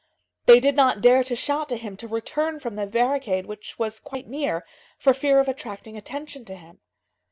They did not dare to shout to him to return from the barricade, which was quite near, for fear of attracting attention to him.